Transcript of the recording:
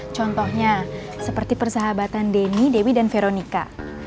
contohnya seperti persahabatan denny dewi dan veronica